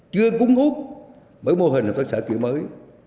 chưa cung hút với mô hình hợp tác xã kiểu mới